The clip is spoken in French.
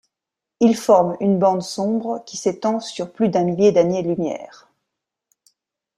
Il forme une bande sombre qui s'étend sur plus d'un millier d'années-lumière.